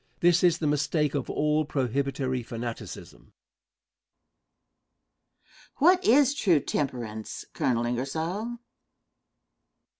This is the mistake of all prohibitory fanaticism. Question. What is true temperance, Colonel Ingersoll?